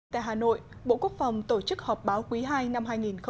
tại hà nội bộ quốc phòng tổ chức họp báo quý ii năm hai nghìn một mươi chín